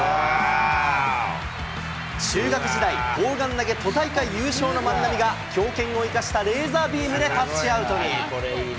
中学時代、砲丸投げ都大会優勝の万波が、強肩を生かしたレーザービームでタッチアウトに。